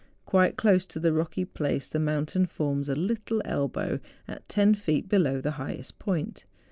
Quite close to the rocky place the mountain forms a little elbow at ten feet below the highest point.